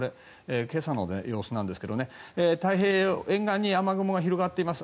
今朝の様子なんですけど太平洋沿岸に雨雲が広がっています。